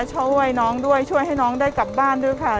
ช่วยน้องด้วยช่วยให้น้องได้กลับบ้านด้วยค่ะ